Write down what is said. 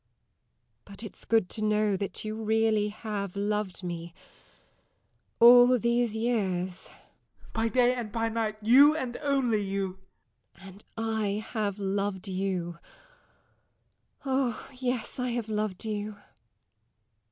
But it's good to know that you really have loved me, all these years.... SIR GEOFFREY. By day and by night you, and only you! LADY TORMINSTER. And I have loved you ah, yes, I have loved you!...